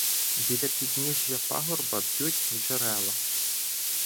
Біля підніжжя пагорба б'ють джерела.